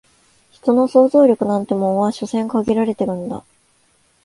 人の想像力なんてものは所詮限られてるんだ